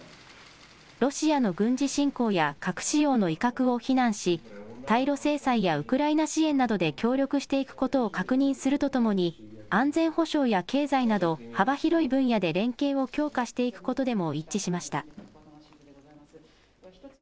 ロシアの軍事侵攻や核使用の威嚇を非難し、対ロ制裁やウクライナ支援などで協力していくことを確認するとともに、安全保障や経済など、幅広い分野で連携を強化していくことでも一致しました。